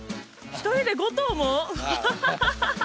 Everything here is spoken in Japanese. １人で５頭も？